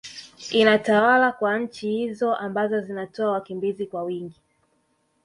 inatawala kwa nchi hizo ambazo zinatoa wakimbizi kwa wingi